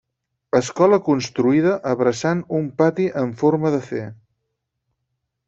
Escola construïda abraçant un pati en forma de ce.